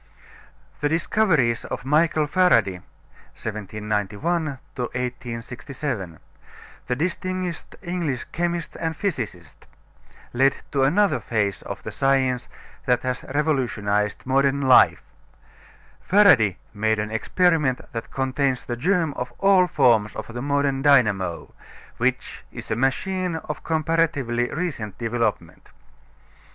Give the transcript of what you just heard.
The discoveries of Michael Faraday (1791 1867), the distinguished English chemist and physicist, led to another phase of the science that has revolutionized modern life. Faraday made an experiment that contains the germ of all forms of the modern dynamo, which is a machine of comparatively recent development.